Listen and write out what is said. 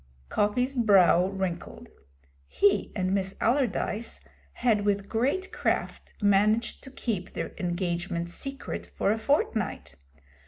Coppy's brow wrinkled. He and Miss Allardyce had with great craft managed to keep their engagement secret for a fortnight.